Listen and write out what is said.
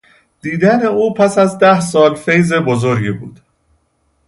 دیدن او پس از ده سال فیض بزرگی بود.